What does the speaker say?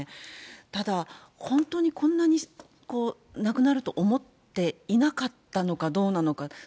ただ、本当にこんなに亡くなると思っていなかったのかどうなのか。